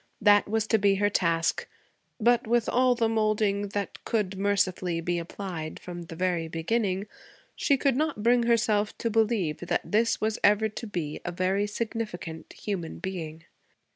That was to be her task. But with all the moulding that could, mercifully, be applied from the very beginning, she could not bring herself to believe that this was ever to be a very significant human being.